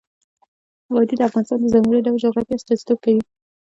وادي د افغانستان د ځانګړي ډول جغرافیه استازیتوب کوي.